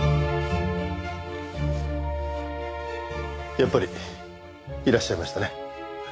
やっぱりいらっしゃいましたね。